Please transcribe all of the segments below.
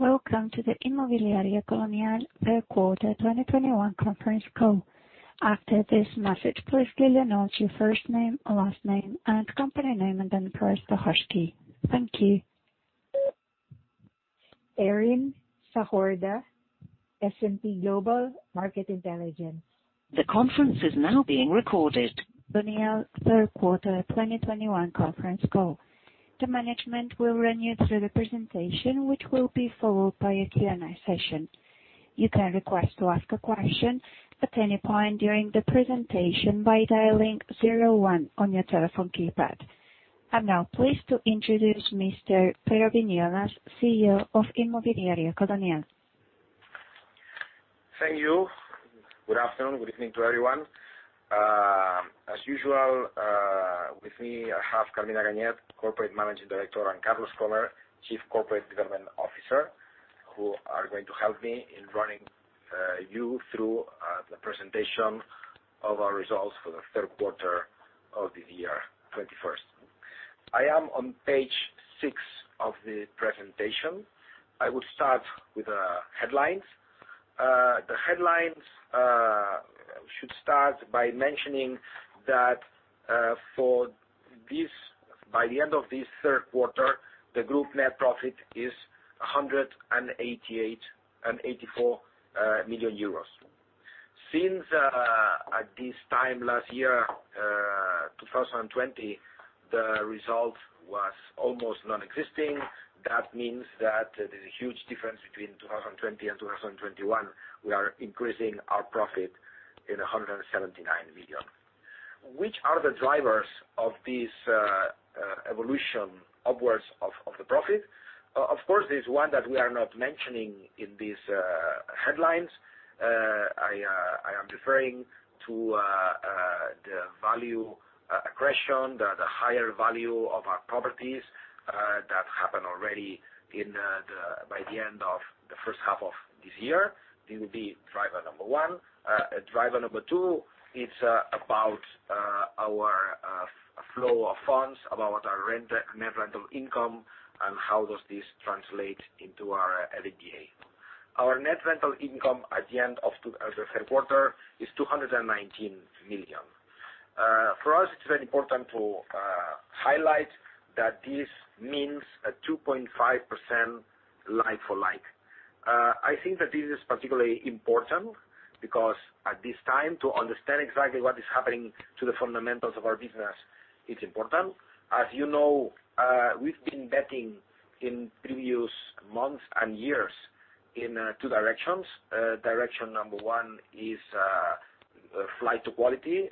Welcome to the Inmobiliaria Colonial Q3 2021 conference call. Colonial Q3 2021 conference call. The management will run you through the presentation, which will be followed by a Q&A session. You can request to ask a question at any point during the presentation by dialing zero one on your telephone keypad. I'm now pleased to introduce Mr. Pedro Viñolas, CEO of Inmobiliaria Colonial. Thank you. Good afternoon. Good evening to everyone. As usual, with me, I have Carmina Ganyet, Corporate Management Director, and Carlos Cromer, Chief Corporate Development Officer, who are going to help me in running you through the presentation of our results for the Q3 of 2021. I am on page six of the presentation. I will start with headlines. The headlines should start by mentioning that, by the end of this Q3, the group net profit is 188.84 million euros. Since, at this time last year, 2020, the result was almost non-existent. That means that there's a huge difference between 2020 and 2021. We are increasing our profit in 179 million. Which are the drivers of this evolution upwards of the profit? Of course, there's one that we are not mentioning in these headlines. I am referring to the value accretion, the higher value of our properties that happened already by the end of the first half of this year. This will be driver number one. Driver number two is about our flow of funds, about our rent, net rental income, and how does this translate into our EBITDA. Our net rental income at the end of the Q3 is 219 million. For us, it's very important to highlight that this means a 2.5% like-for-like. I think that this is particularly important because at this time, to understand exactly what is happening to the fundamentals of our business is important. As you know, we've been betting in previous months and years in two directions. Direction number one is flight to quality,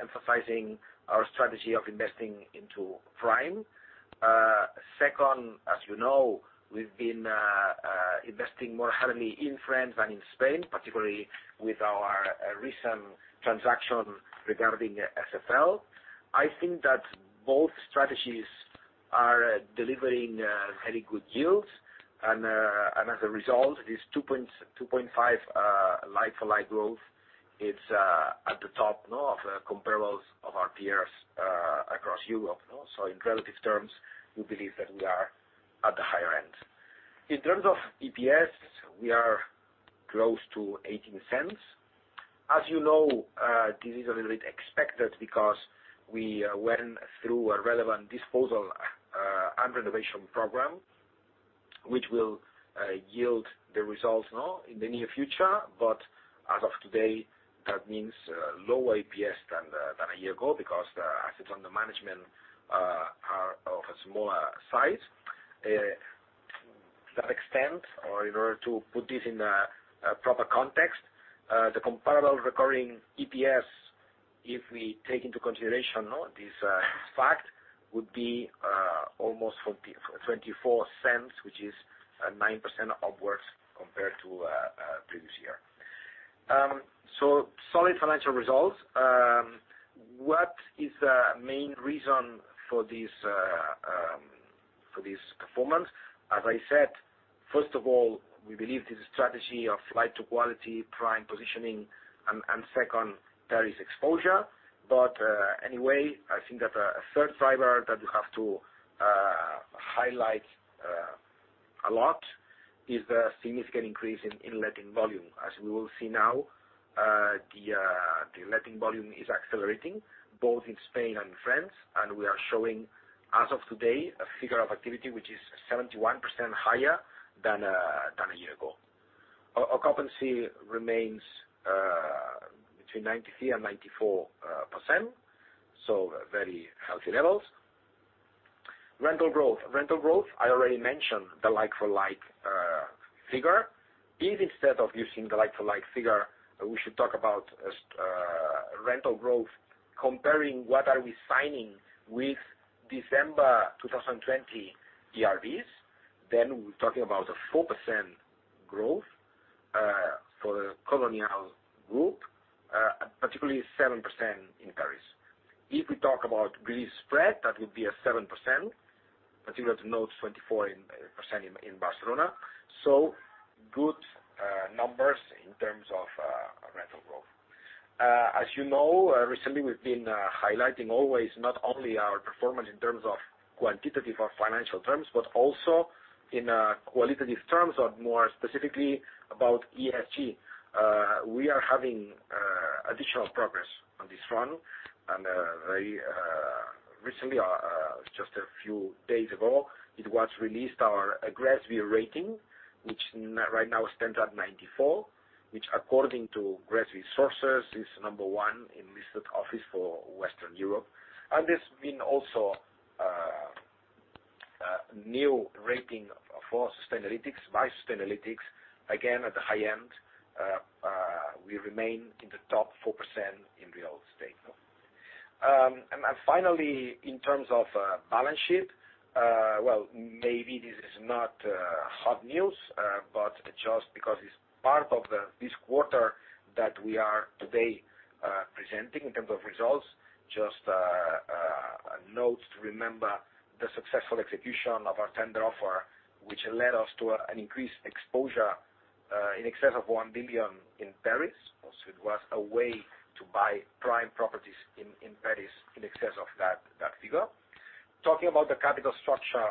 emphasizing our strategy of investing into prime. Second, as you know, we've been investing more heavily in France than in Spain, particularly with our recent transaction regarding SFL. I think that both strategies are delivering very good yields, and as a result, this 2.5% like-for-like growth, it's at the top, you know, of the comparables of our peers across Europe. In relative terms, we believe that we are at the higher end. In terms of EPS, we are close to 0.18. As you know, this is a little bit expected because we went through a relevant disposal and renovation program, which will yield the results, you know, in the near future but as of today, that means lower EPS than a year ago because the assets under management are of a smaller size. To that extent, or in order to put this in a proper context, the comparable recurring EPS, if we take into consideration, you know, this fact, would be almost 0.24, which is 9% upwards compared to previous year. Solid financial results. What is the main reason for this performance? As I said, first of all, we believe this strategy of flight to quality, prime positioning and second, Paris exposure. Anyway, I think that a third driver that we have to highlight a lot is the significant increase in letting volume. As we will see now, the letting volume is accelerating both in Spain and in France, and we are showing, as of today, a figure of activity which is 71% higher than a year ago. Occupancy remains between 93% and 94%, so very healthy levels. Rental growth. I already mentioned the like-for-like figure. If instead of using the like-for-like figure, we should talk about rental growth comparing what are we signing with December 2020 ERVs, then we're talking about a 4% growth for the Colonial group, particularly 7% in Paris. If we talk about gross spread, that would be a 7%, particularly 10.4% in Barcelona. Good numbers in terms of, as you know, recently we've been highlighting always not only our performance in terms of quantitative or financial terms, but also in qualitative terms or more specifically about ESG. We are having additional progress on this front. Very recently, just a few days ago, it was released our GRESB rating, which right now stands at 94, which according to GRESB sources is number 1 in listed office for Western Europe. There's been also a new rating for Sustainalytics, by Sustainalytics, again, at the high end. We remain in the top 4% in real estate. Finally, in terms of balance sheet, well, maybe this is not hot news, but just because it's part of this quarter that we are today presenting in terms of results, just a note to remember the successful execution of our tender offer, which led us to an increased exposure in excess of 1 billion in Paris. Also, it was a way to buy prime properties in Paris in excess of that figure. Talking about the capital structure,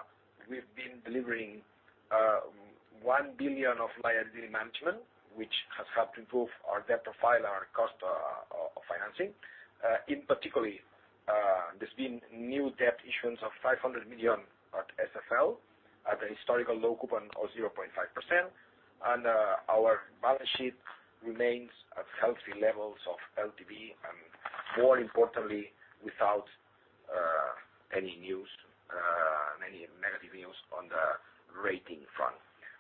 we've been delivering 1 billion of liability management, which has helped improve our debt profile and our cost of financing. In particular, there's been new debt issuance of 500 million at SFL at a historical low coupon of 0.5%. Our balance sheet remains at healthy levels of LTV, and more importantly, without any negative news on the rating front.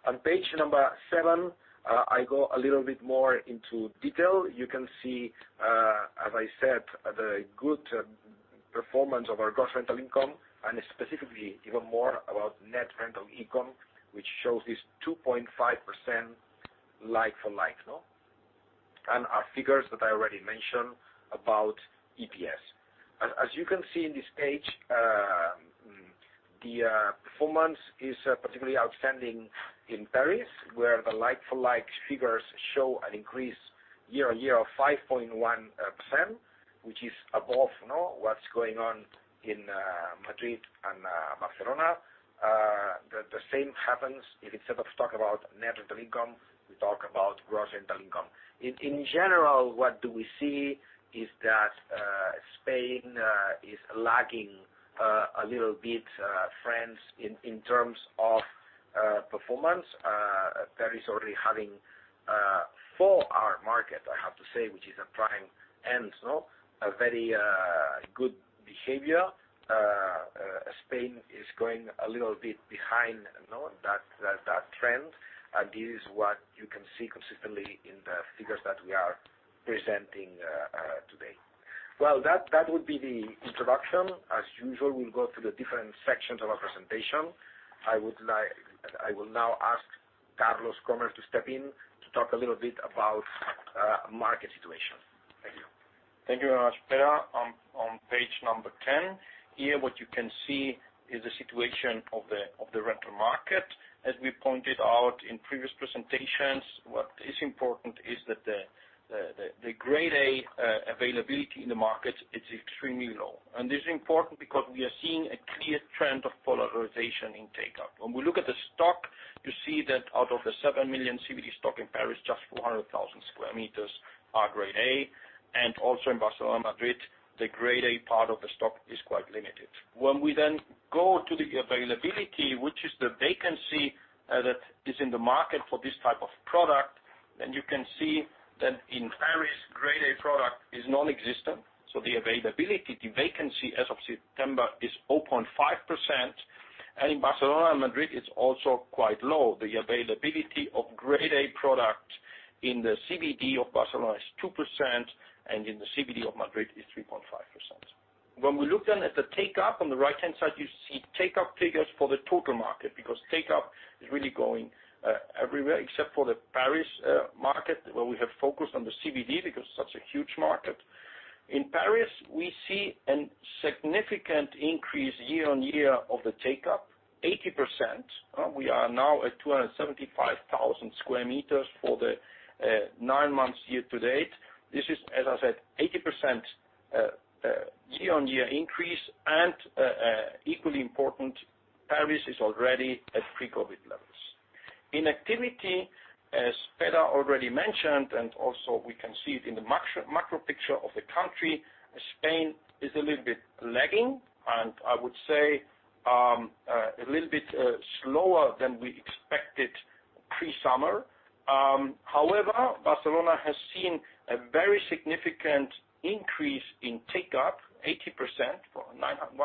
On page number seven, I go a little bit more into detail. You can see, as I said, the good performance of our gross rental income and specifically even more about net rental income, which shows this 2.5% like-for-like. Our figures that I already mentioned about EPS. As you can see in this page, the performance is particularly outstanding in Paris, where the like-for-like figures show an increase year-on-year of 5.1%, which is above what's going on in Madrid and Barcelona. The same happens if instead of talking about Net Rental Income, we talk about Gross Rental Income. In general, what do we see is that Spain is lagging a little bit France in terms of performance. Paris already having, for our market, I have to say, which is a prime, a very good behavior. Spain is going a little bit behind that trend. This is what you can see consistently in the figures that we are presenting today. Well, that would be the introduction. As usual, we'll go through the different sections of our presentation. I will now ask Carlos Cromer to step in to talk a little bit about market situation. Thank you. Thank you very much, Pedro. On page number 10, here what you can see is the situation of the rental market. As we pointed out in previous presentations, what is important is that the grade A availability in the market is extremely low. This is important because we are seeing a clear trend of polarization in take-up. When we look at the stock, you see that out of the 7 million sq m CBD stock in Paris, just 400,000 sq m are Grade A. Also in Barcelona and Madrid, the Grade A part of the stock is quite limited. When we then go to the availability, which is the vacancy, that is in the market for this type of product, then you can see that in Paris, Grade A product is nonexistent. The availability, the vacancy as of September is 0.5%. In Barcelona and Madrid, it's also quite low. The availability of Grade A product in the CBD of Barcelona is 2%, and in the CBD of Madrid is 3.5%. When we look then at the take-up, on the right-hand side, you see take-up figures for the total market, because take-up is really going everywhere except for the Paris market, where we have focused on the CBD because it's such a huge market. In Paris, we see a significant increase year-on-year of the take-up, 80%. We are now at 275,000 sq m for the nine months year to date. This is, as I said, 80% year-on-year increase. Equally important, Paris is already at pre-COVID levels in activity, as Pedro already mentioned, and also we can see it in the macro picture of the country. Spain is a little bit lagging, and I would say a little bit slower than we expected pre-summer. However, Barcelona has seen a very significant increase in take-up, 80% for 195,000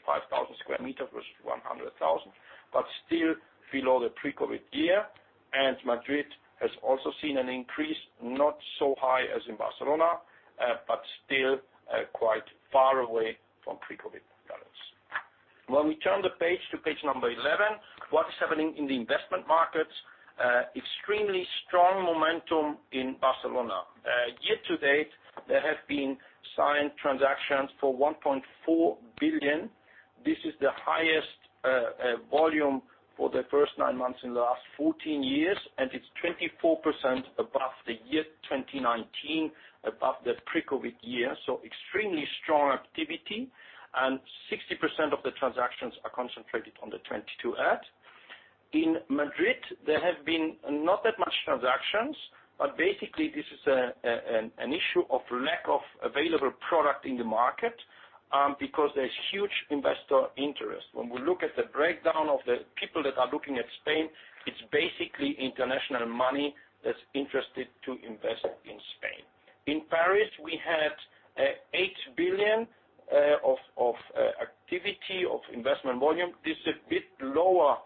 sq m versus 100,000, but still below the pre-COVID year. Madrid has also seen an increase, not so high as in Barcelona, but still quite far away from pre-COVID levels. When we turn the page to page number 11, what is happening in the investment markets? Extremely strong momentum in Barcelona. Year to date, there have been signed transactions for 1.4 billion. This is the highest volume for the first nine months in the last 14 years, and it's 24% above the year 2019, above the pre-COVID year. Extremely strong activity. Sixty percent of the transactions are concentrated on the 22@. In Madrid, there have been not that much transactions, but basically this is an issue of lack of available product in the market, because there's huge investor interest. When we look at the breakdown of the people that are looking at Spain, it's basically international money that's interested to invest in Spain. In Paris, we had 8 billion of activity of investment volume. This is a bit lower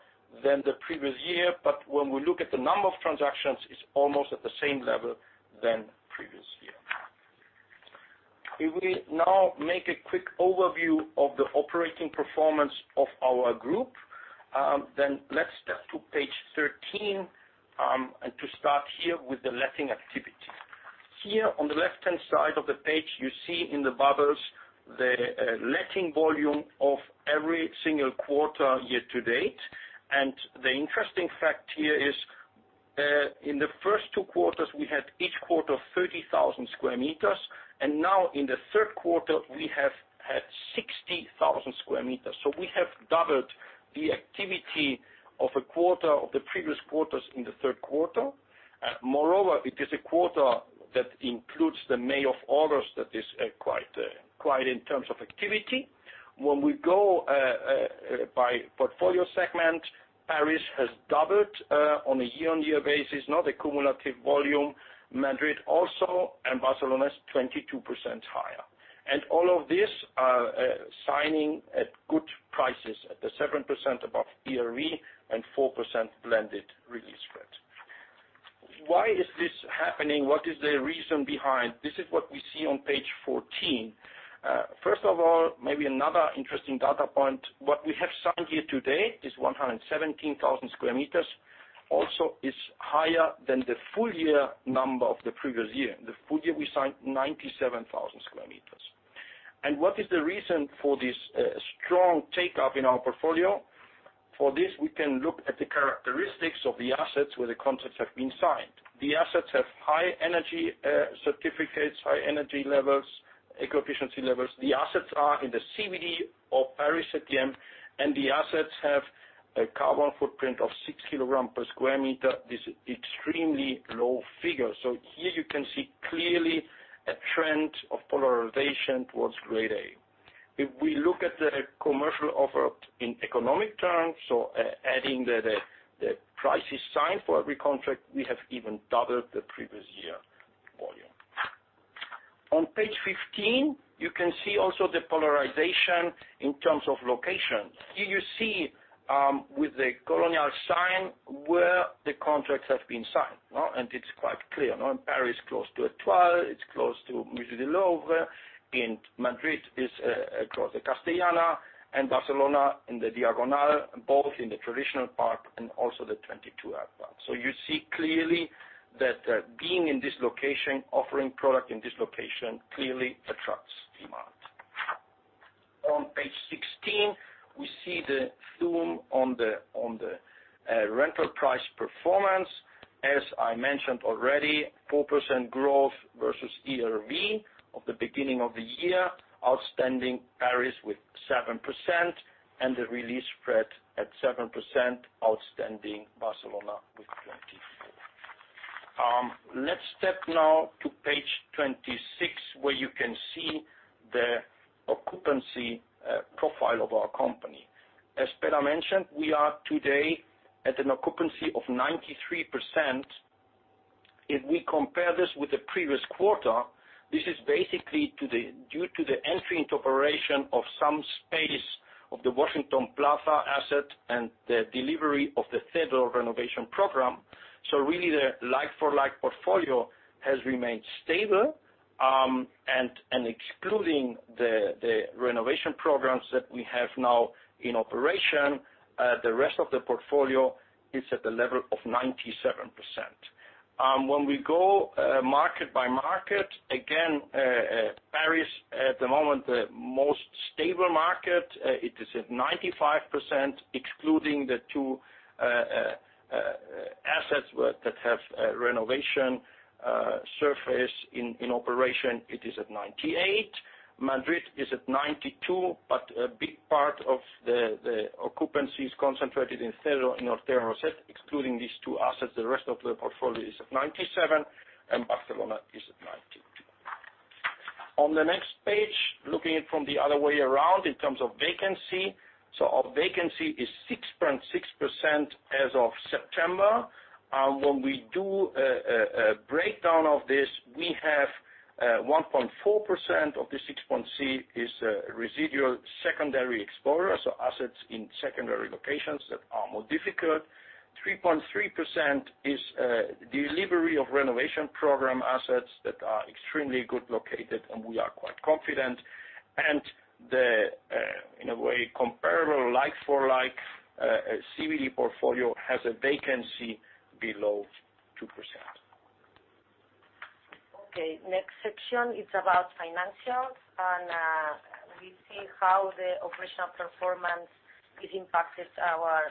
than the previous year. When we look at the number of transactions, it's almost at the same level as the previous year. If we now make a quick overview of the operating performance of our group, then let's step to page 13, and to start here with the letting activity. Here on the left-hand side of the page, you see in the bubbles the letting volume of every single quarter year to date. The interesting fact here is, in the first two quarters, we had each quarter 30,000 sq m, and now in the Q3 we have had 60,000 sq m. We have doubled the activity of a quarter of the previous quarters in the Q3. Moreover, it is a quarter that includes the month of August that is quite quiet in terms of activity. When we go by portfolio segment, Paris has doubled on a year-on-year basis, now the cumulative volume. Madrid also, and Barcelona is 22% higher. All of this are signing at good prices at the 7% above ERV and 4% blended re-lease spread. Why is this happening? What is the reason behind? This is what we see on page 14. First of all, maybe another interesting data point. What we have signed here today is 117,000 sq m. Also is higher than the full year number of the previous year. The full year we signed 97,000 sq m. What is the reason for this strong take-up in our portfolio? For this, we can look at the characteristics of the assets where the contracts have been signed. The assets have high energy certificates, high energy levels, eco-efficiency levels. The assets are in the CBD of Paris at the end, and the assets have a carbon footprint of 6 kilograms per sq m. This extremely low figure. Here you can see clearly a trend of polarization towards Grade A. If we look at the commercial offer in economic terms, adding the prices signed for every contract, we have even doubled the previous year volume. On page 15, you can see also the polarization in terms of location. Here you see with the Colonial sign where the contracts have been signed. It's quite clear, Paris close to Étoile, it's close to Musée du Louvre. In Madrid, it's close to Castellana, and Barcelona in the Diagonal, both in the traditional park and also the 22@ park. You see clearly that, being in this location, offering product in this location clearly attracts demand. On page 16, we see the zoom on the rental price performance. As I mentioned already, 4% growth versus ERV of the beginning of the year. Outstanding Paris with 7% and the re-leasing spread at 7%. Outstanding Barcelona with 24%. Let's step now to page 26, where you can see the occupancy profile of our company. As Pedro mentioned, we are today at an occupancy of 93%. If we compare this with the previous quarter, this is basically due to the entry into operation of some space of the Washington Plaza asset and the delivery of the federal renovation program. Really the like-for-like portfolio has remained stable. Excluding the renovation programs that we have now in operation, the rest of the portfolio is at the level of 97%. When we go market by market, again, Paris at the moment, the most stable market, it is at 95%, excluding the two assets that have renovation surface in operation it is at 98%. Madrid is at 92%, but a big part of the occupancy is concentrated in Sirio en Ortega y Gasset. Excluding these two assets, the rest of the portfolio is at 97%, and Barcelona is at 92%. On the next page, looking at it from the other way around in terms of vacancy, our vacancy is 6.6% as of September. When we do a breakdown of this, we have 1.4% of the 6.6 is residual secondary exposure. Assets in secondary locations that are more difficult. 3.3% is delivery of renovation program assets that are extremely good located and we are quite confident. The in a way comparable like-for-like CBD portfolio has a vacancy below 2%. Okay, next section is about financials. We see how the operational performance impacts our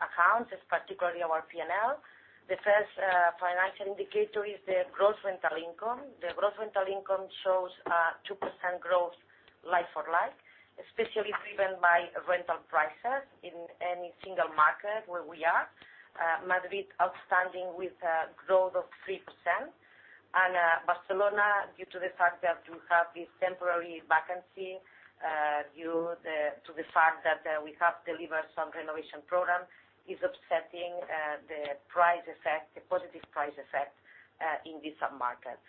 accounts, particularly our P&L. The first financial indicator is the Gross Rental Income. The Gross Rental Income shows 2% growth like-for-like, especially driven by rental prices in any single market where we are. Madrid outstanding with a growth of 3%. Barcelona, due to the fact that we have this temporary vacancy, to the fact that we have delivered some renovation program, is upsetting the price effect, the positive price effect, in this submarket.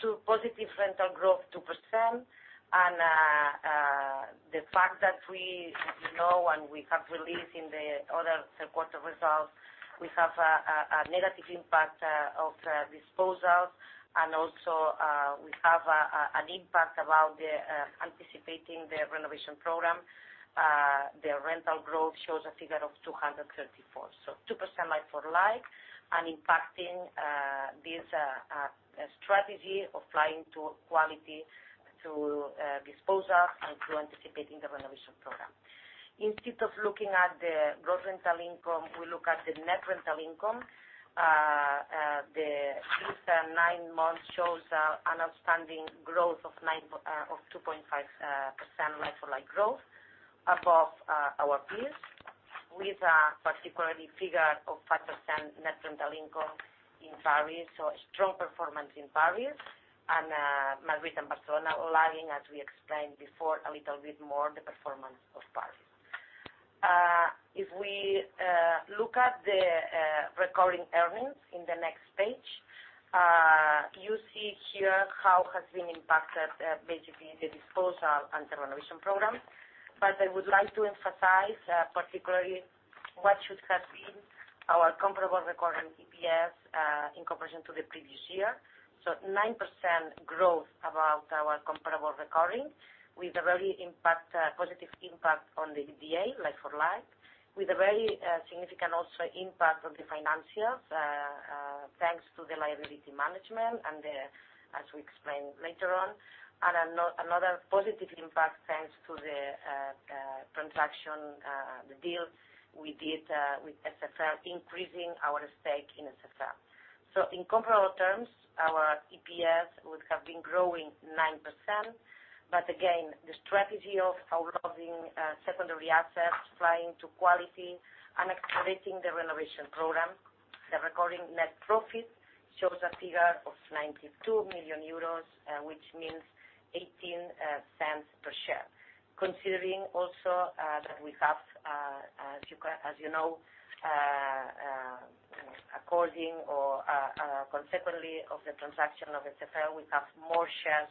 Two positive rental growth, 2%. The fact that we know and we have released in the other Q3 results, we have a negative impact of disposals. We have an impact about the anticipating the renovation program. The rental growth shows a figure of 234. Two percent like for like, and impacting this strategy of flight to quality through disposals and through anticipating the renovation program. Instead of looking at the gross rental income, we look at the net rental income. The first nine months shows an outstanding growth of 2.5% like for like growth above our peers, with a particular figure of 5% net rental income in Paris. A strong performance in Paris and Madrid and Barcelona are lagging, as we explained before, a little bit more the performance of Paris. If we look at the recurring earnings on the next page, you see here how it has been impacted, basically the disposal and the renovation program. I would like to emphasize particularly what should have been our comparable recurring EPS in comparison to the previous year. So 9% growth above our comparable recurring, with a very positive impact on the EPRA like-for-like, with a very significant impact also on the financials, thanks to the liability management and the, as we explain later on. Another positive impact, thanks to the transaction, the deal we did with SFL, increasing our stake in SFL. In comparable terms, our EPS would have been growing 9% but again, the strategy of unloading secondary assets flight to quality and accelerating the renovation program. The recurring net profit shows a figure of 92 million euros, which means 0.18 per share. Considering also that we have, as you know, consequently of the transaction of SFL, we have more shares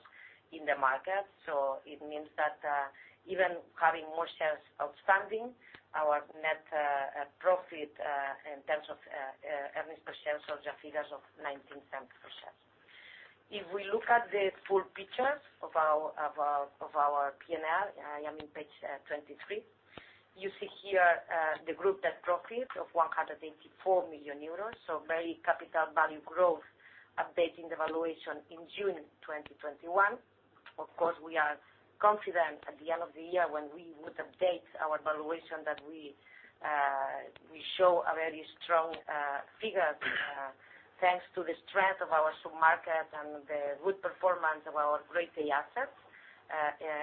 in the market. It means that even having more shares outstanding, our net profit in terms of earnings per share shows a figure of 0.19 per share. If we look at the full picture of our P&L, I am on page 23. You see here the group net profit of 184 million euros. Very capital value growth updating the valuation in June 2021. Of course, we are confident at the end of the year when we would update our valuation that we show a very strong figure thanks to the strength of our submarket and the good performance of our Grade A assets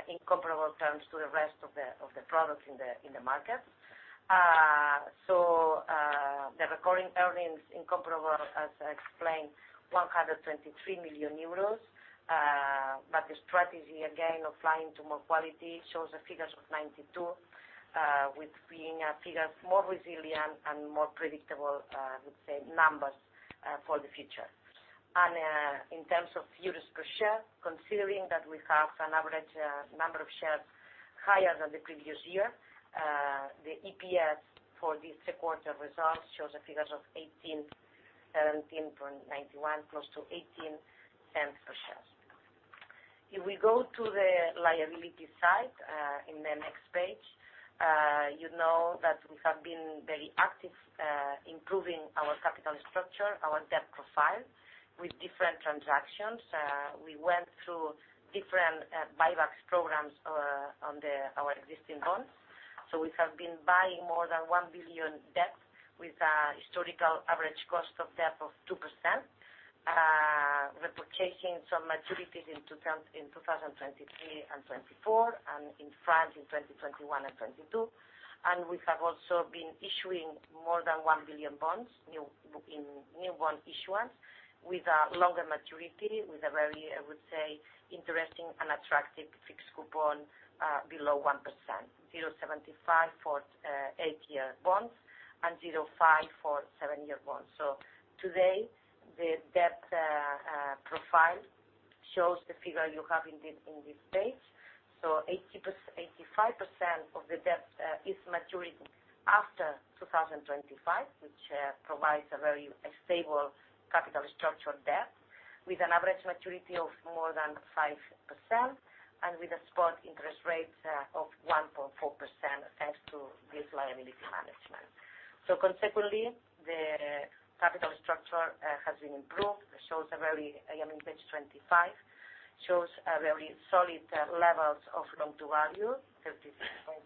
in comparable terms to the rest of the products in the market. The recurring earnings in comparable, as I explained, 123 million euros. But the strategy again of flight to quality shows the figures of 92 million with figures being more resilient and more predictable, I would say numbers, for the future. In terms of euros per share, considering that we have an average number of shares higher than the previous year, the EPS for this Q3 results shows a figure of 17.91, close to 0.18 per share. If we go to the liability side, in the next page, you know that we have been very active, improving our capital structure, our debt profile with different transactions. We went through different buybacks programs on our existing bonds. We have been buying more than 1 billion debt with a historical average cost of debt of 2%. Reprofiling some maturities in 2023 and 2024 and in France in 2021 and 2022. We have also been issuing more than 1 billion bonds in new bond issuance with a longer maturity, with a very, I would say, interesting and attractive fixed coupon below 1%, 0.75% for eight-year bonds and 0.5% for seven year bonds. Today the debt profile shows the figure you have in this page. So 85% of the debt is maturity after 2025, which provides a very stable capital structure debt with an average maturity of more than 5% and with a spot interest rate of 1.4%, thanks to this liability management. Consequently, the capital structure has been improved. It shows, in page 25, very solid levels of loan-to-value, 36.6%.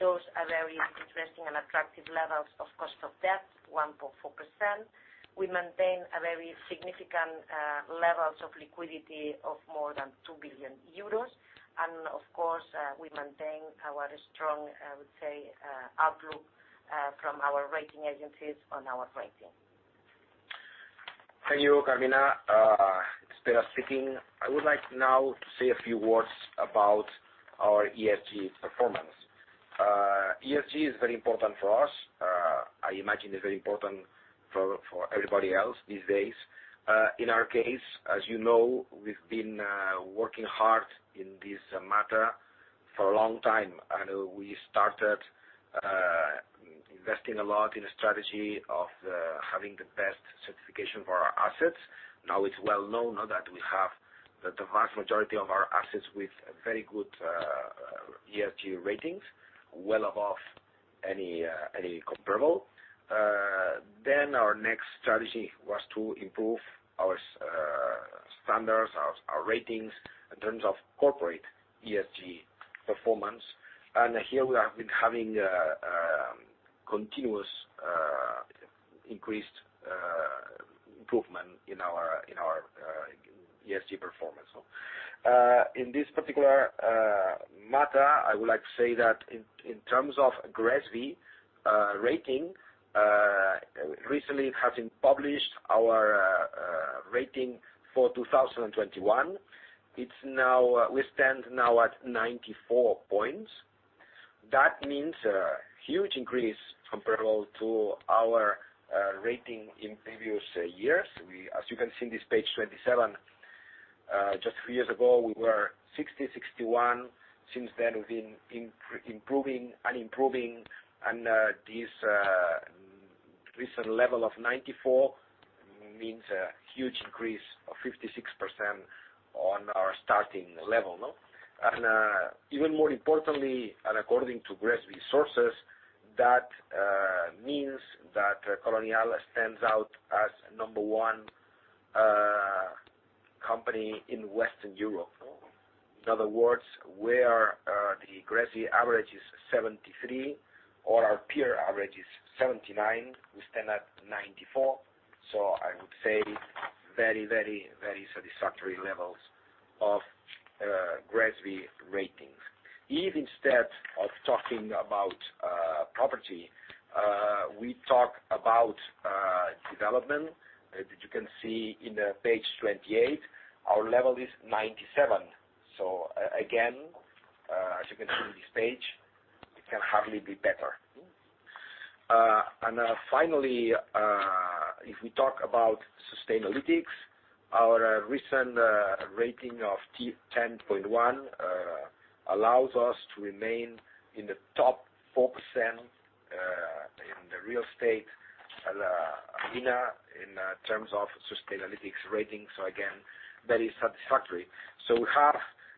Shows a very interesting and attractive levels of cost of debt, 1.4%. We maintain a very significant levels of liquidity of more than 2 billion euros. Of course, we maintain our strong, I would say, outlook from our rating agencies on our rating. Thank you, Carmina. It's Pedro speaking. I would like now to say a few words about our ESG performance. ESG is very important for us. I imagine it's very important for everybody else these days. In our case, as you know, we've been working hard in this matter for a long time. I know we started investing a lot in a strategy of having the best certification for our assets. Now, it's well known that we have the vast majority of our assets with very good ESG ratings, well above any comparable. Our next strategy was to improve our standards, our ratings in terms of corporate ESG performance. Here we have been having continuous increased improvement in our ESG performance. In this particular matter, I would like to say that in terms of GRESB rating, recently it has been published our rating for 2021 we stand now at 94 points. That means a huge increase comparable to our rating in previous years. As you can see in this page 27, just three years ago, we were 60, 61. Since then, we've been improving and this recent level of 94 means a huge increase of 56% on our starting level. Even more importantly, according to GRESB sources, that means that Colonial stands out as number one company in Western Europe. In other words, where the GRESB average is 73, or our peer average is 79, we stand at 94. I would say very satisfactory levels of GRESB ratings. If instead of talking about property, we talk about development, that you can see on page 28, our level is 97. Again, as you can see on this page, it can hardly be better. Finally, if we talk about Sustainalytics, our recent rating of 10.1 allows us to remain in the top 4% in the real estate arena in terms of Sustainalytics ratings. Again, very satisfactory. We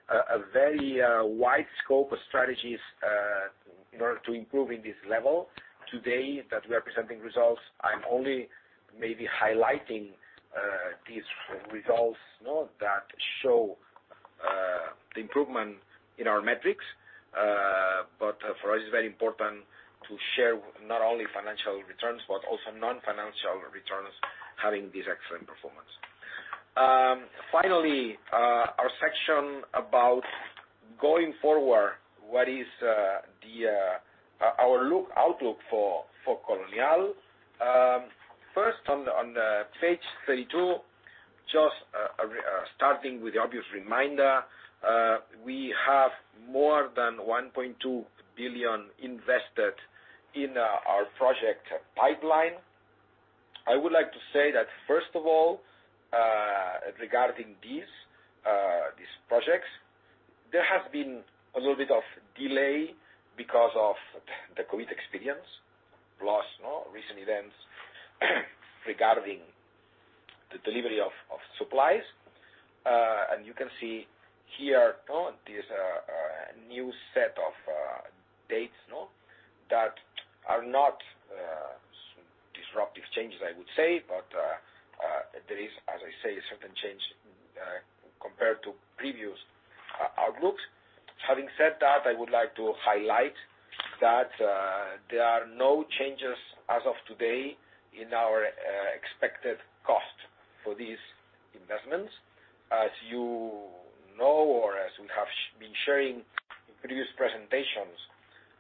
have a very wide scope of strategies in order to improve in this level. Today that we are presenting results, I'm only maybe highlighting these results that show the improvement in our metrics. For us it's very important to share not only financial returns, but also non-financial returns, having this excellent performance. Finally, our section about going forward. What is our outlook for Colonial. First on page 32, just starting with the obvious reminder, we have more than 1.2 billion invested in our project pipeline. I would like to say that first of all, regarding these projects, there has been a little bit of delay because of the COVID experience, plus recent events regarding the delivery of supplies. You can see here, there's a new set of dates that are not disruptive changes, I would say. There is, as I say, a certain change compared to previous outlooks. Having said that, I would like to highlight that there are no changes as of today in our expected cost for these investments. As you know, or as we have been sharing in previous presentations,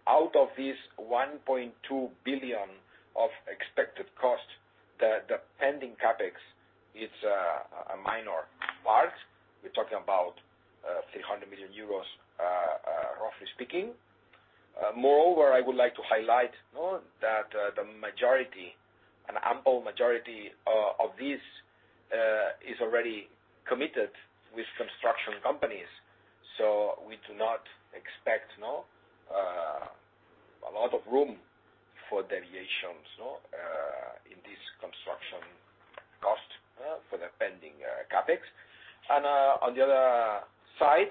out of this 1.2 billion of expected cost, the pending CapEx is a minor part. We're talking about 300 million euros, roughly speaking. Moreover, I would like to highlight that the majority, an ample majority of this is already committed with construction companies. So we do not expect a lot of room for deviations in these construction costs for the pending CapEx. On the other side,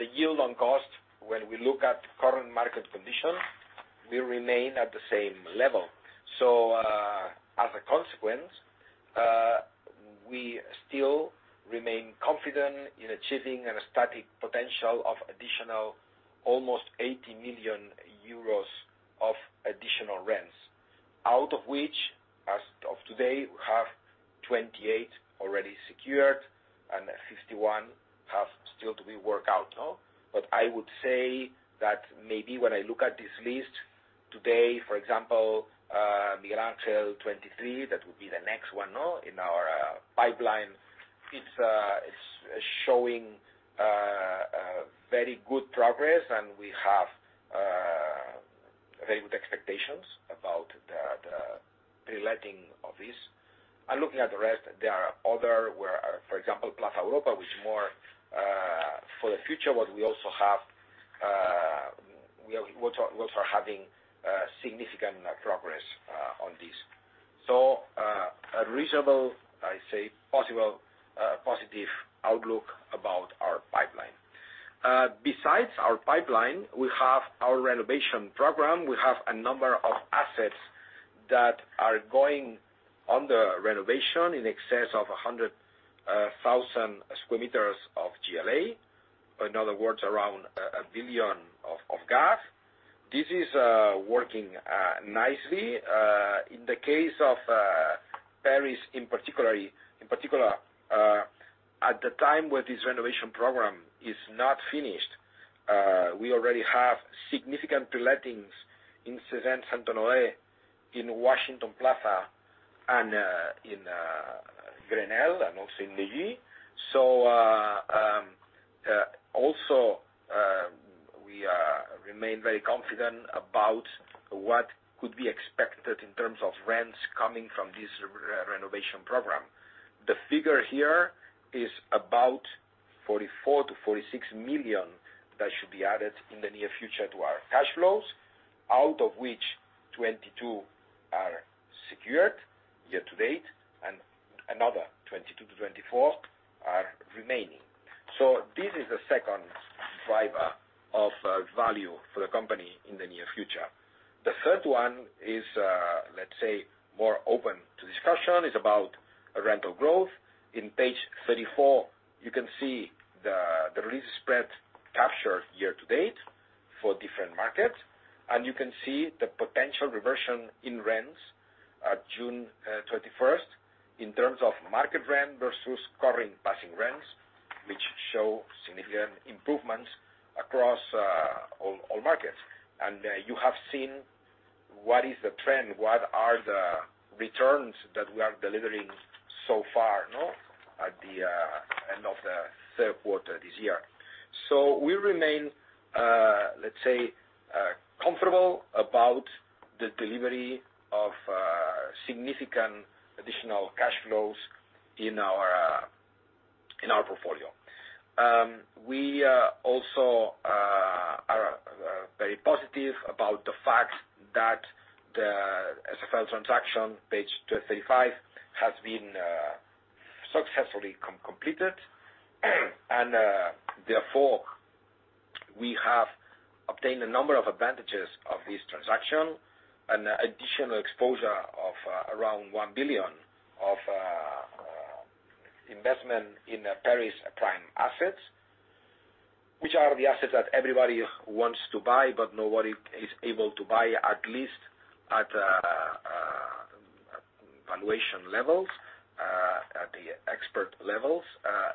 the yield on cost when we look at current market conditions will remain at the same level. As a consequence, we still remain confident in achieving a static potential of additional almost 80 million euros of additional rents. Out of which, as of today, we have 28 already secured and 51 have still to be worked out but I would say that maybe when I look at this list today, for example, Milan Shell 23, that would be the next one, no, in our pipeline. It's showing a very good progress, and we have very good expectations about the reletting of this. Looking at the rest, there are other where, for example, Plaza Europa, which is more for the future, but we also have, we're also having significant progress on this. A reasonable, I say, possible positive outlook about our pipeline. Besides our pipeline, we have our renovation program. We have a number of assets that are going under renovation in excess of 100,000 square meters of GLA. In other words, around 1 billion of GAV. This is working nicely. In the case of Paris in particular, at the time where this renovation program is not finished, we already have significant lettings in Cézanne Saint-Honoré, in Washington Plaza and in Grenelle, and also in Neuilly. We remain very confident about what could be expected in terms of rents coming from this renovation program. The figure here is about 44 million-46 million that should be added in the near future to our cash flows, out of which 22 are secured year to date and another 22-24 are remaining. This is the second driver of value for the company in the near future. The third one is, let's say, more open to discussion. It's about rental growth. In page 34, you can see the lease spread capture year to date for different markets, and you can see the potential reversion in rents at June 31st in terms of market rent versus current passing rents, which show significant improvements across all markets. You have seen what is the trend, what are the returns that we are delivering so far at the end of the third quarter this year. We remain, let's say, comfortable about the delivery of significant additional cash flows in our portfolio. We also are very positive about the fact that the SFL transaction, page 235, has been successfully completed. Therefore, we have obtained a number of advantages of this transaction, an additional exposure of around 1 billion of investment in Paris prime assets, which are the assets that everybody wants to buy, but nobody is able to buy, at least at valuation levels at the expected levels.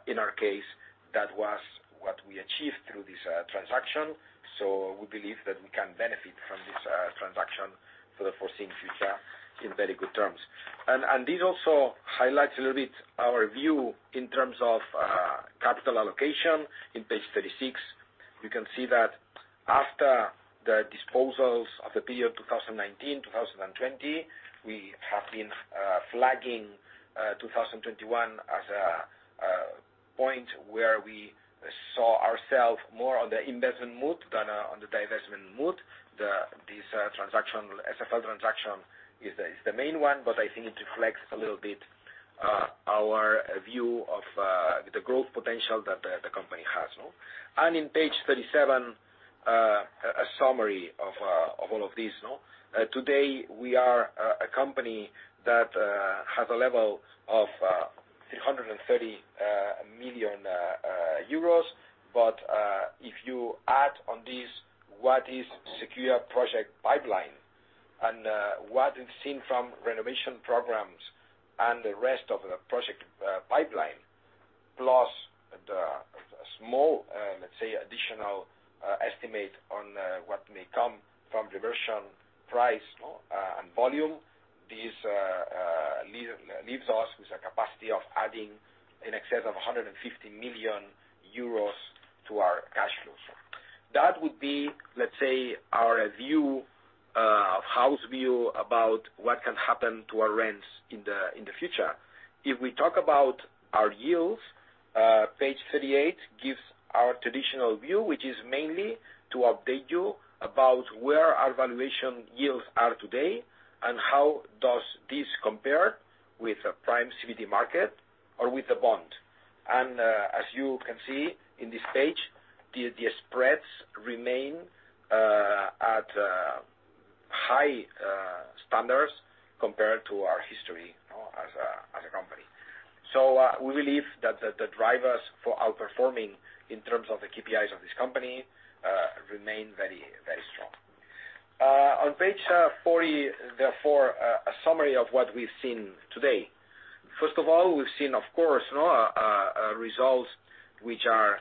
In our case, that was what we achieved through this transaction so we believe that we can benefit from this transaction for the foreseeable future in very good terms. This also highlights a little bit our view in terms of capital allocation. In page 36, you can see that after the disposals of the period of 2019 to 2020, we have been flagging 2021 as a point where we saw ourself more on the investment mood than on the divestment mood. This transaction, SFL transaction is the main one, but I think it reflects a little bit our view of the growth potential that the company has, no. In page 37, a summary of all of this. Today, we are a company that has a level of 330 million euros. If you add on this what is the secured project pipeline and what is seen from renovation programs and the rest of the project pipeline, plus the small, let's say, additional estimate on what may come from reversionary price and volume, this leaves us with a capacity of adding in excess of 150 million euros to our cash flows. That would be, let's say, our view, house view about what can happen to our rents in the future. If we talk about our yields, page 38 gives our traditional view, which is mainly to update you about where our valuation yields are today and how does this compare with a prime CBD market or with the bond. As you can see on this page, the spreads remain at high standards compared to our history, you know, as a company. We believe that the drivers for outperforming in terms of the KPIs of this company remain very, very strong. On page 40, therefore, a summary of what we've seen today. First of all, we've seen, of course, you know, results which are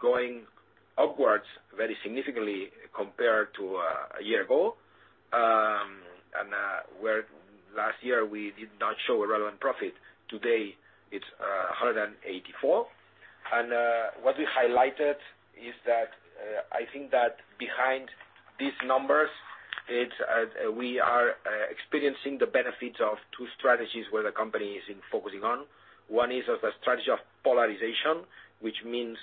going upwards very significantly compared to a year ago, where last year we did not show a relevant profit, today it's 184. What we highlighted is that, I think that behind these numbers, we are experiencing the benefits of two strategies where the company is focusing on. One is of a strategy of polarization, which means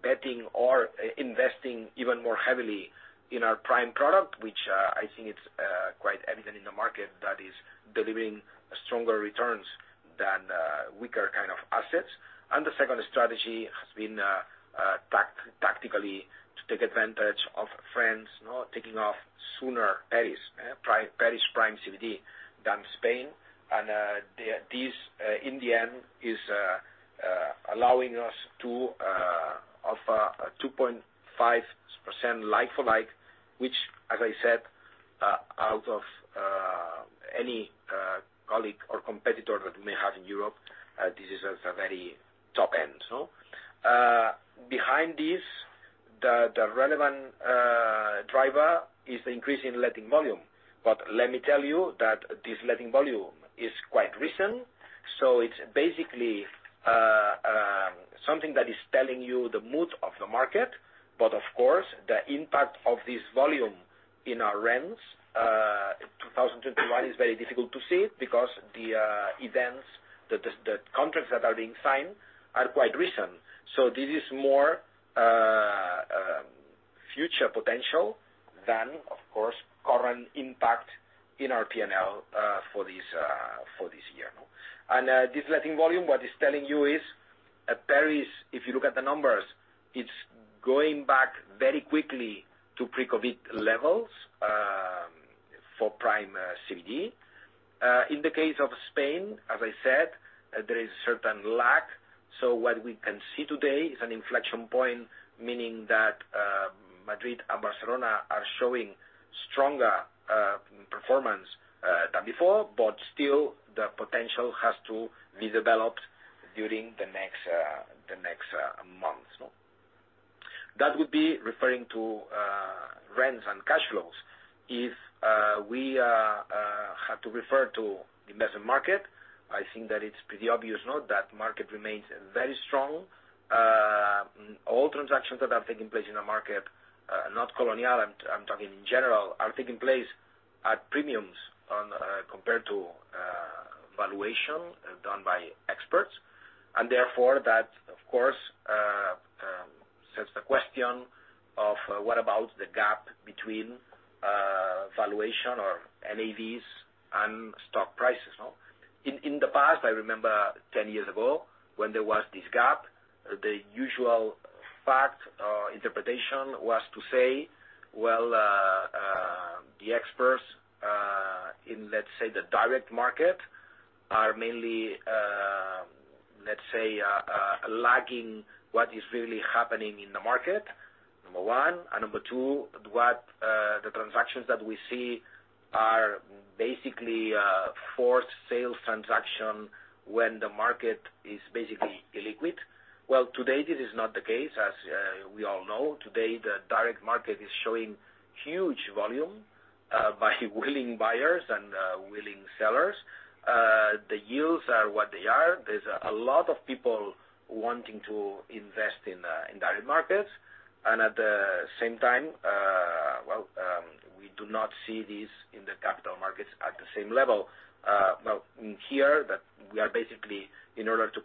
betting or investing even more heavily in our prime product, which I think it's quite evident in the market that is delivering stronger returns than weaker kind of assets. The second strategy has been tactically to take advantage of France, you know, taking off sooner Paris Prime CBD than Spain. This in the end is allowing us to offer a 2.5% like-for-like, which as I said outperform any colleague or competitor that we may have in Europe, this is a very top end. Behind this, the relevant driver is the increase in letting volume. Let me tell you that this letting volume is quite recent, so it's basically something that is telling you the mood of the market. Of course, the impact of this volume in our rents 2021 is very difficult to see because the contracts that are being signed are quite recent. This is more future potential than of course current impact in our P&L for this year. This letting volume, what it's telling you is, in Paris, if you look at the numbers, it's going back very quickly to pre-COVID levels for prime CBD. In the case of Spain, as I said, there is certain lag. What we can see today is an inflection point, meaning that Madrid and Barcelona are showing stronger performance than before, but still the potential has to be developed during the next months. That would be referring to rents and cash flows. If we had to refer to the investment market, I think that it's pretty obvious, no, that market remains very strong. All transactions that are taking place in the market, not Colonial, I'm talking in general, are taking place at premiums compared to valuation done by experts. Therefore, that of course sets the question of what about the gap between valuation or NAVs and stock prices. In the past, I remember 10 years ago when there was this gap, the usual fact or interpretation was to say, well, the experts in, let's say, the direct market are mainly, let's say, lagging what is really happening in the market, number one and number 2 what the transactions that we see are basically forced sales transactions when the market is basically illiquid. Well, today this is not the case. As we all know today, the direct market is showing huge volume by willing buyers and willing sellers. The yields are what they are. There's a lot of people wanting to invest in direct markets. At the same time, well, we do not see this in the capital markets at the same level. Well, we're here to basically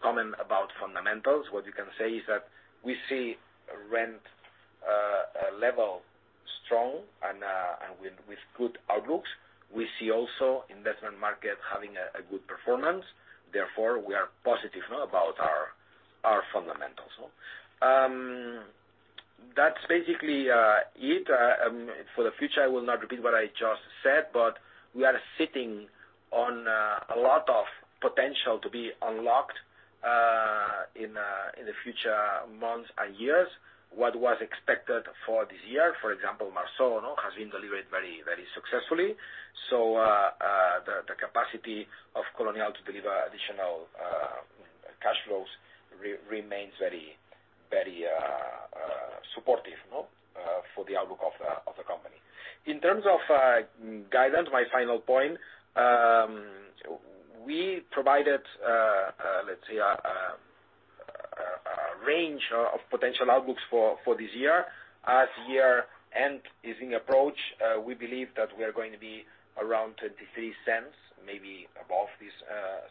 comment about fundamentals. What we can say is that we see rent level strong and with good outlooks. We see also investment market having a good performance. Therefore, we are positive about our fundamentals. That's basically it. For the future, I will not repeat what I just said, but we are sitting on a lot of potential to be unlocked in the future months and years. What was expected for this year, for example, Marceau, has been delivered very successfully. The capacity of Colonial to deliver additional cash flows remains very supportive for the outlook of the company. In terms of guidance, my final point, we provided, let's say a range of potential outlooks for this year. As year-end is approaching, we believe that we are going to be around 0.23, maybe above this,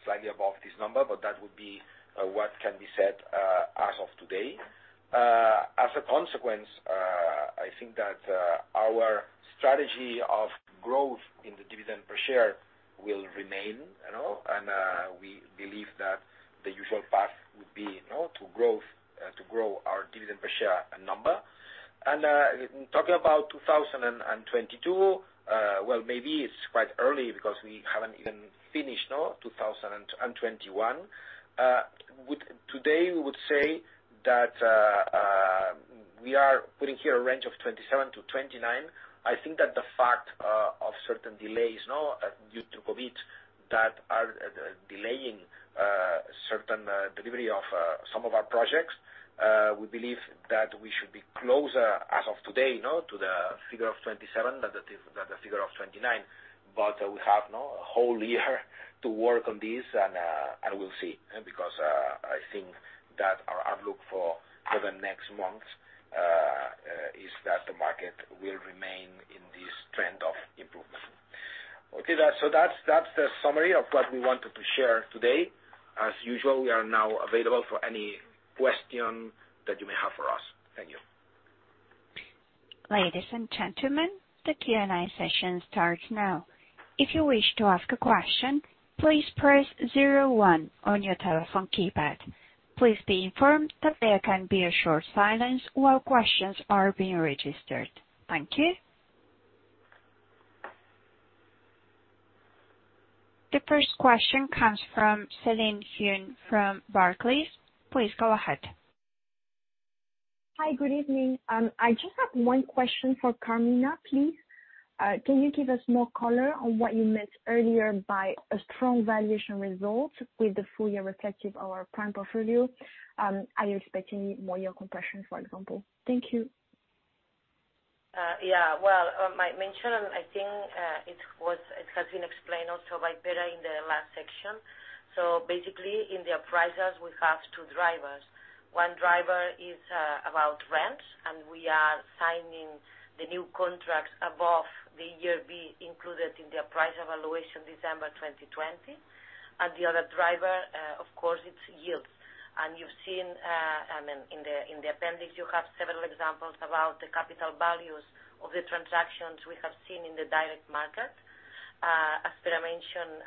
slightly above this number, but that would be what can be said as of today. As a consequence, I think that our strategy of growth in the dividend per share will remain, you know and we believe that the usual path would be, you know, to grow our dividend per share number. Talking about 2022, well, maybe it's quite early because we haven't even finished 2021. Today we would say that we are putting here a range of 0.27-0.29. I think that the fact of certain delays due to COVID that are delaying certain delivery of some of our projects, we believe that we should be closer as of today, you know, to the figure of 27 than the figure of 29 but we have a whole year to work on this. We'll see, because I think that our outlook for the next months is that the market will remain in this trend of improvement. Okay. That's the summary of what we wanted to share today. As usual, we are now available for any question that you may have for us. Thank you. Ladies and gentlemen, the Q&A session starts now. If you wish to ask a question, please press zero one on your telephone keypad. Please be informed that there can be a short silence while questions are being registered. Thank you. The first question comes from Celine Huynh from Barclays. Please go ahead. Hi. Good evening. I just have one question for Carmina, please. Can you give us more color on what you meant earlier by a strong valuation result with the full year reflective of our prime portfolio? Are you expecting more yield compression, for example? Thank you. Yeah. Well, I mentioned, I think, it has been explained also by Pere in the last section. Basically in the appraisals, we have two drivers. One driver is about rent, and we are signing the new contracts above the ERV included in the appraisal evaluation December 2020. The other driver, of course, it's yields. You've seen, I mean, in the appendix, you have several examples about the capital values of the transactions we have seen in the direct market. As Pere mentioned,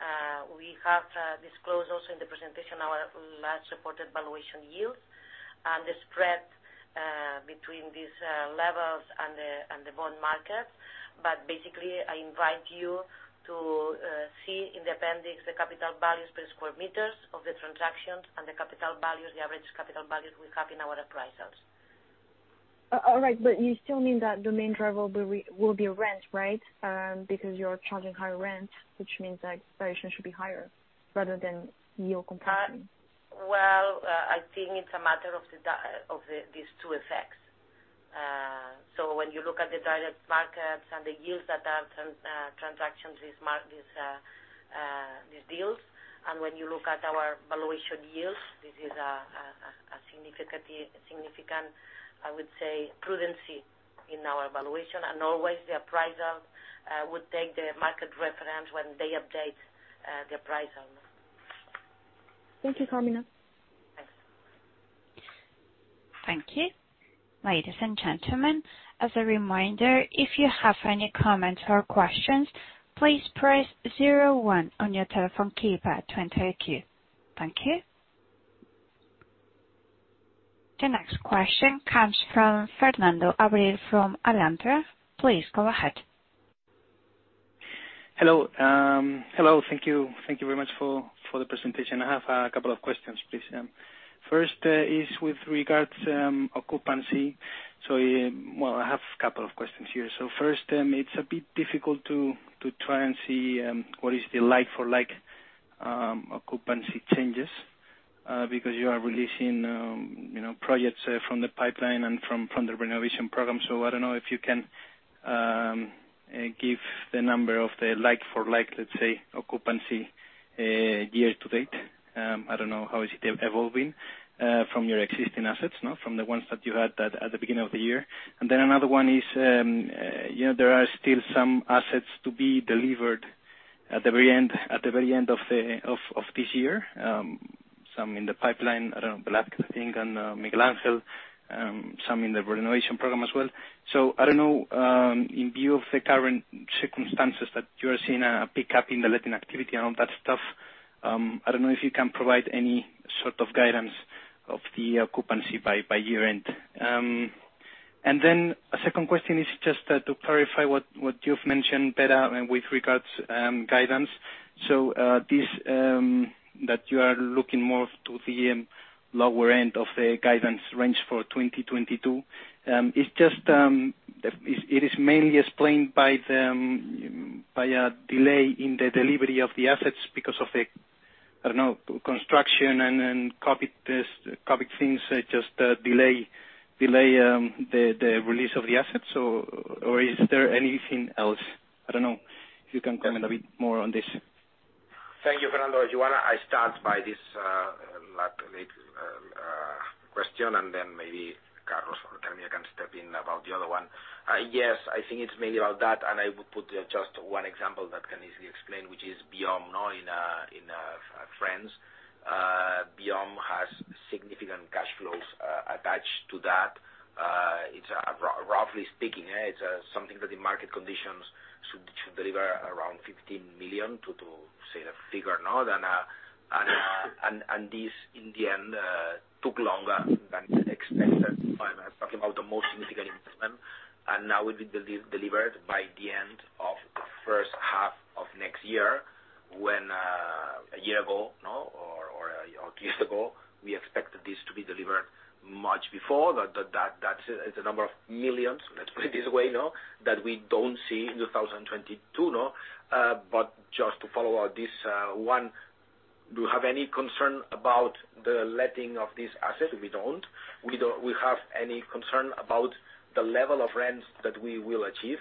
we have disclosed also in the presentation our last reported valuation yields and the spread between these levels and the bond market but basically, I invite you to see in the appendix the capital values per sq m of the transactions and the capital values, the average capital values we have in our appraisals. All right. You still mean that the main driver will be rent, right because you're charging higher rent, which means that valuation should be higher rather than yield compression. Well, I think it's a matter of these two effects. When you look at the direct markets and the yields that are transactions these deals, and when you look at our valuation yields, this is a significant, I would say, prudence in our valuation. Always the appraisers would take the market reference when they update the appraisal. Thank you, Carmina. Thanks. The next question comes from Fernando Abril-Martorell from Alantra. Please go ahead. Hello. Hello. Thank you very much for the presentation. I have a couple of questions, please. First, it's with regards to occupancy. Well, I have a couple of questions here. First, it's a bit difficult to try and see what is the like-for-like occupancy changes because you are releasing, you know, projects from the pipeline and from the renovation program so I don't know if you can give the number of the like-for-like, let's say, occupancy year to date. I don't know how is it evolving from your existing assets, no, from the ones that you had at the beginning of the year. Another one is, you know, there are still some assets to be delivered at the very end of this year, some in the pipeline, I don't know, Black, I think, and Miguel Ángel, some in the renovation program as well. I don't know, in view of the current circumstances that you are seeing a pickup in the letting activity and all that stuff, I don't know if you can provide any sort of guidance of the occupancy by year-end. A second question is just to clarify what you've mentioned, Pere, with regards guidance. This that you are looking more to the lower end of the guidance range for 2022 is just the. it mainly explained by a delay in the delivery of the assets because of, I don't know, construction and then COVID test, COVID things just delay the release of the assets or is there anything else? I don't know if you can comment a bit more on this. Thank you, Fernando. If you wanna, I start by this question and then maybe Carlos or Carmina can step in about the other one. Yes. I think it's mainly about that, and I would put just one example that can easily explain, which is Biome in France. Biome has significant cash flows attached to that. It's, roughly speaking, it's something that the market conditions should deliver around 15 million to, say, a figure now and this in the end took longer than expected. Talking about the most significant investment. Now will be delivered by the end of H1 of next year, when a year ago or two years ago, we expected this to be delivered much before. That's a number of millions, let's put it this way, that we don't see in 2022. Just to follow up this one, do you have any concern about the letting of this asset? We don't. We don't have any concern about the level of rents that we will achieve?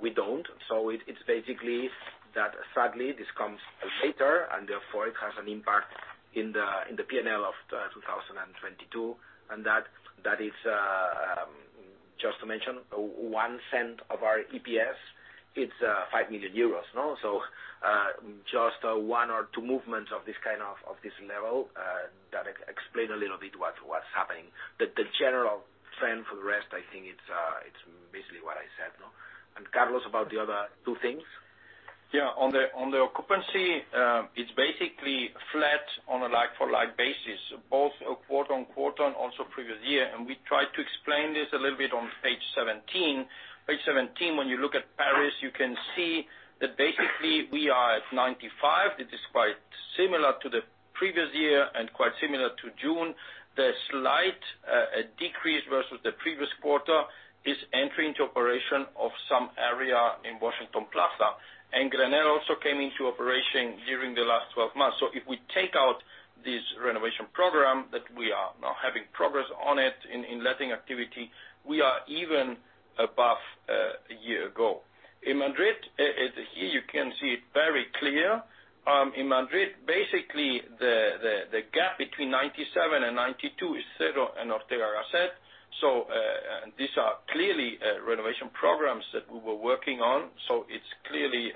We don't. It's basically that sadly, this comes later and therefore it has an impact in the P&L of 2022. That is just to mention one cent of our EPS, it's 5 million euros. Just one or two movements of this kind of this level that explain a little bit what's happening. The general trend for the rest, I think it's basically what I said. Carlos, about the other two things. Yeah. On the occupancy, it's basically flat on a like-for-like basis, both quarter-over-quarter and year-over-year. We tried to explain this a little bit on page 17. Page 17, when you look at Paris, you can see that basically we are at 95%. It is quite similar to the previous year and quite similar to June. The slight decrease versus the previous quarter is entry into operation of some area in Washington Plaza. Grenelle also came into operation during the last twelve months. If we take out this renovation program that we are now having progress on it in letting activity, we are even above a year ago. In Madrid, here you can see it very clear. In Madrid, basically the gap between 97% and 92% is Serrano y Ortega asset. These are clearly renovation programs that we were working on, so it's clearly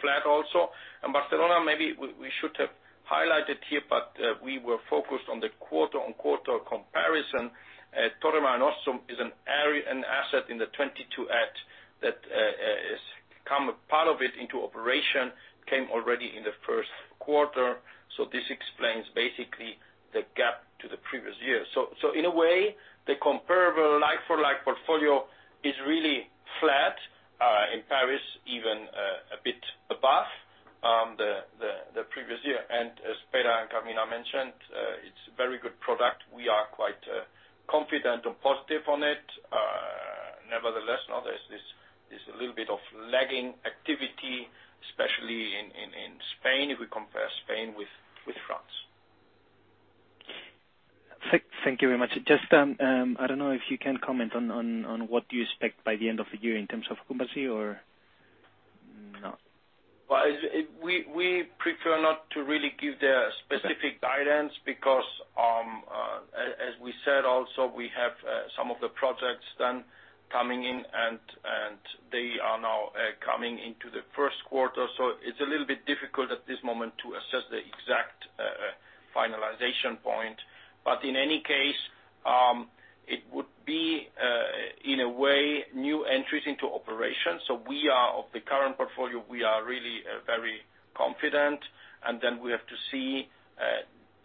flat also. In Barcelona, maybe we should have highlighted here, but we were focused on the quarter-on-quarter comparison. Torremolinos is an asset in the 22@ that has come into operation, part of it came already in the Q1. This explains basically the gap to the previous year. In a way, the comparable like-for-like portfolio is really flat in Paris, even a bit above the previous year. As Pere and Carmina mentioned, it's very good product. We are quite confident and positive on it. Nevertheless, now there's this little bit of lagging activity, especially in Spain, if we compare Spain with France. Thank you very much. Just, I don't know if you can comment on what you expect by the end of the year in terms of occupancy or no? Well, we prefer not to really give the specific guidance because, as we said, also we have some of the projects done coming in and they are now coming into the Q1. It's a little bit difficult at this moment to assess the exact finalization point. In any case, it would be, in a way, new entries into operations. We are, of the current portfolio, really very confident. Then we have to see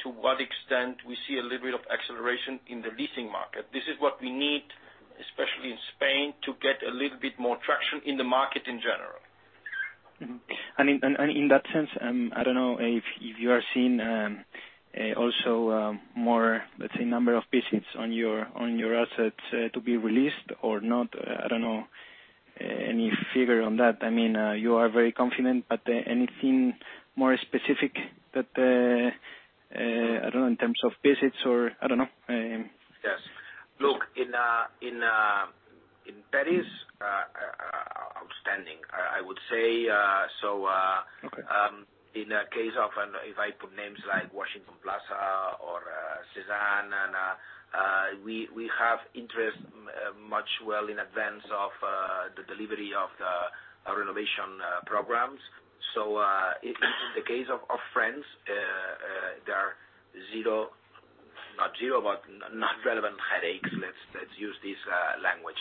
to what extent we see a little bit of acceleration in the leasing market. This is what we need, especially in Spain, to get a little bit more traction in the market in general. Mm-hmm. In that sense, I don't know if you are seeing also more, let's say, number of visits on your assets to be released or not. I don't know any figure on that. I mean, you are very confident, but anything more specific that I don't know, in terms of visits or I don't know. Yes. Look, in Paris, outstanding, I would say. In the case of an, If I put names like Washington Plaza or Cézanne and we have interest much well in advance of the delivery of the renovation programs. In the case of our friends there are zero, not zero, but not relevant headaches. Let's use this language.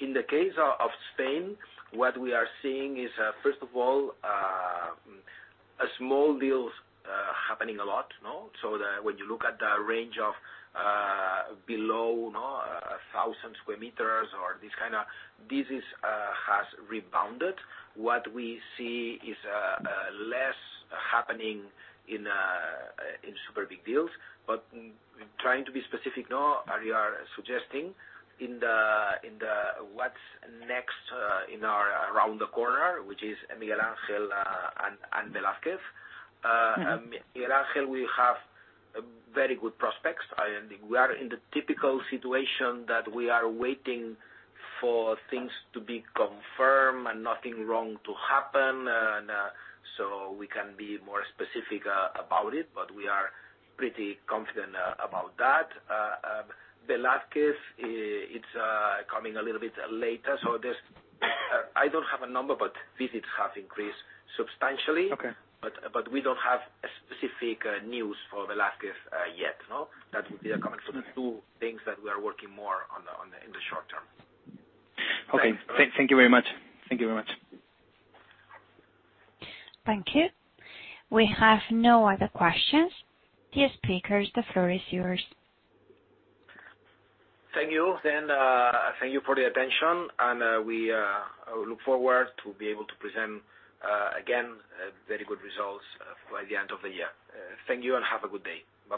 In the case of Spain, what we are seeing is first of all small deals happening a lot, no. When you look at the range of below 1,000 sq m or this kinda business has rebounded. What we see is less happening in super big deals. Trying to be specific now, as you are suggesting in the what's next, in our around the corner, which is Miguel Ángel and Velázquez. Miguel Ángel, we have very good prospects. I think we are in the typical situation that we are waiting for things to be confirmed and nothing wrong to happen, and so we can be more specific about it, but we are pretty confident about that. Velázquez, it's coming a little bit later. I don't have a number, but visits have increased substantially. Okay. We don't have specific news for Velázquez yet, no. That will be coming. The two things that we are working more on in the short term. Okay. Thank you very much. Thank you very much,. Thank you. We have no other questions. Dear speakers, the floor is yours. Thank you. Thank you for the attention, and we look forward to be able to present again very good results by the end of the year. Thank you and have a good day.